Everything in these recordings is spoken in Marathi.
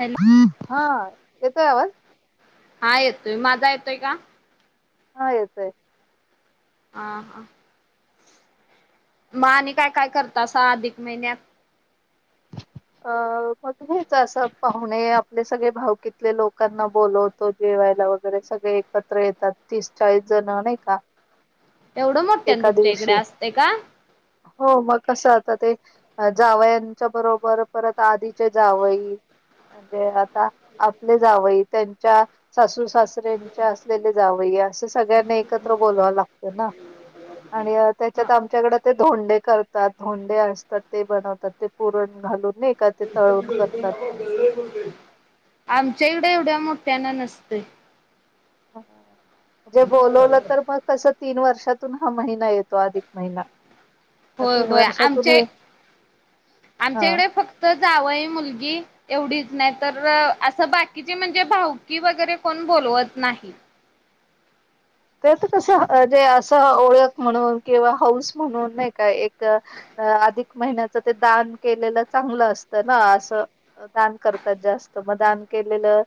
हॅलो हा येतोय आवाज हा येतोय माझा येतोय का हा येतय आ हा म आणि काय, काय करतासा अधिक महिन्यात अ मग हेच असं पाहुणे आपले सगळे भाऊकीतले लोकांना बोलत तो जेवायला वगैरे सगळे एकत्र येतात तीस, चाळीस जण नाही का एवढं मोठं एका तुमच्या इकडे दिवशी असतय का हो मग कसं आता ते जावयांच्या बरोबर परत आधीचे जावई म्हणजे आता आपले जावई त्यांच्या सासू सासऱ्यांचे असलेले जावई असे सगळ्यांन एकत्र बोलवाव लागत ना आणि हा त्याच्यात आमच्याकडे ते धोंडे करतात धोंडे असतात ते बनवतात ते पुरण घालून नई का ते तळून करतात. आमच्या इकडं एवढ्या मोठ्याना नसतय जे बोलवलं तर मग कसं तीन वर्षातून हा महिना येतो अधिक महिना मग होय, तीन होय वर्षातून आमचे हे हा आमच्याकडे फक्त जावंय मुलगी एवढीच नाही तर असं बाकीची म्हणजे भाऊकी वगैरे कोण बोलवत नाही ते आता कसं जे असं ओळख म्हणून किंवा हौस म्हणून नाही काय एक अधिक महिन्याच ते दान केलेलं चांगलं असतं ना असं दान करतात जास्त मग दान केलेलं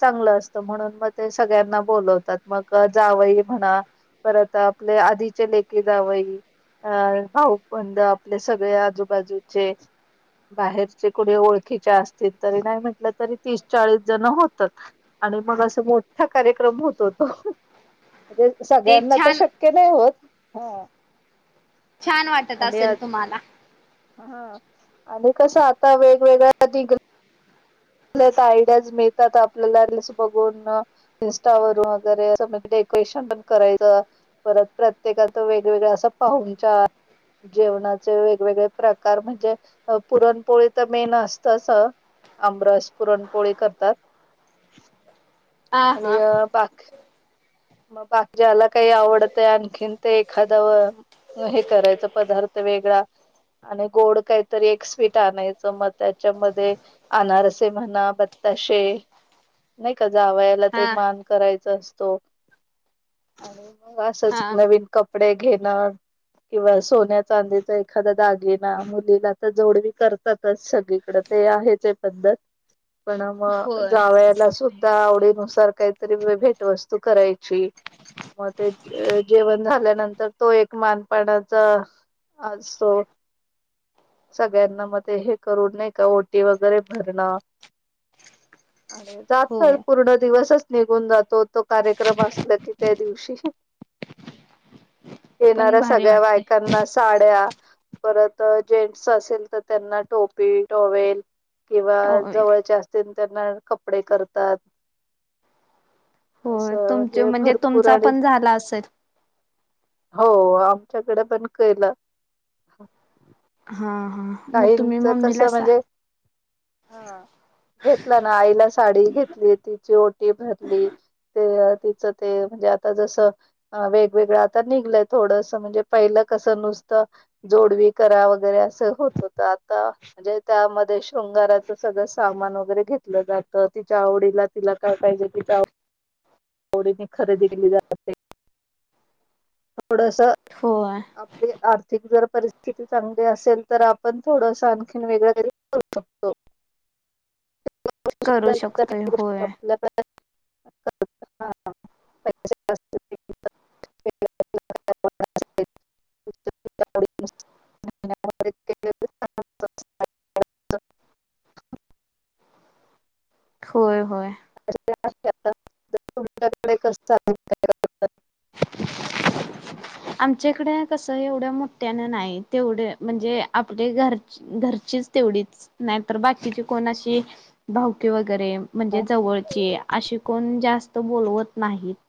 चांगलं असतं म्हणून मग ते सगळ्यांना बोलवतात मग जावई म्हणा परत आपले आधीचे लेकी जावई अ भाऊबंद आपले सगळे आजूबाजूचे बाहेरचे कुणी ओळखीच असतील तरी नाही म्हटलं तरी तीस चाळीस जण होत आणि मग असा मोठा कार्यक्रम होत हो तो म्हणजे सगळ्यांना ते शक्य नाही होत ह छान वाटत असेल तुम्हाला हा आणि कसं आता वेगवेगळ्या [unintelligible] आयडियाज मिळतात आपल्याला रिल्स बघून इन्स्टावररून वगैरे असं डेकोरेशनच करायचं परत प्रत्येकाच वेगवेगळ असा पाहुणचार जेवणाचे वेगवेगळे प्रकार म्हणजे पुरणपोळीत मेन असतच आमरस पुरणपोळी करतात हा आणि हा अ बा म बाकी ज्याला काही आवडत आहे आणखीन ते एखादा व हे करायचं पदार्थ वेगळां असतो आणि गोंड कांहींतरी एक स्वीट आणायचं मंग त्यांच्यामध्यें आनारसेे म्हणां बत्ताशे नाहीं कां जांवयाले हा ते मांन करायचं असतो आणि मंग असंच हा नवीन कपडे घेणं अं किंवा सोन्यां चांदी तरं एखांदी दागिना मुलीला तरं जोडवी करतांतच सगळीकडे ते आहे ते पद्धतं [unintelligible] पणं मंग होय जावयांला सुद्धां आवडीनुसांर कांहीतरी भेटंवस्तूं करांयची मंग ते जेवणं झाल्यानंतर तो एक मानपाणांचां असो सगळ्यांना मंग हे करूं नाहीं कां ओटी वगैरे भरणं आणि जातं होय पूर्ण दिवसंच निघूंन जातो तो कार्य कांरेकम असलां की त्यां दिवशी पण येणाऱ्यां भारी सगळ्यां वाटते बायकांना साड्यां परंत जेंटस असेल तरं त्यांनां टोपी टोवेल किंवा होय जवळच्यां असतील त्यांना कपडे करतांत असं तुमचं म्हणजे भरपूर तुमचां आणि पणं झालां असेल हो आमच्यांकडे पणं केलं आहे नां हां हां मंग तुम्हीं काहींच मम्मीलां कसं म्हणजे सांगा घेतलां नां आईला सांडी घेतली तिची ओटी भरली ते तिचं ते म्हणजे आंता जसं अं वेगवेगळं आता निघलंय थोडंसं म्हणजे पहिलं कसं नुसतं जोडवी करां वगैरें असं होतं होतं आंता म्हणजे त्यांमध्ये शृंगारांच सगळं सामांन वगैरें घेतलं जातं तिच्यां आंवडीला तिलां कायं पाहिजे तिलां [unintelligible] डी खरेदी केली जाते थोडंसं असं हो आं आपली आर्थिक जरं परिस्थिती चांगली असेल तरं आपणं थोडंसं आणखीन वेगळं करी करूं शकतो करू गोष्ट शकतोय होय. आपल्यां [unintelligible] हं हं प [unintelligible] [unintelligible] होयं होयं आं तुमच्यांकडे कसं चालते हायं [unintelligible] आमच्यांकडे कसं एवढ्यां मोठ्यानं नाहीं तेवढं म्हणजे आपले घरं घरंचीच तेवढीचं नाहीं तरं बाकीची कोणां अशी भावके वगैरें म्हणजे करणार? जवळंचे असे कोणं जास्तं बोलवतं नाहीतं